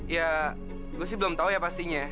ya gua sih belum tau ya pastinya